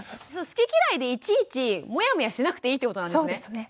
好き嫌いでいちいちモヤモヤしなくていいってことなんですね。